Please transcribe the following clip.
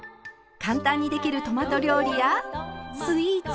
簡単にできるトマト料理やスイーツ。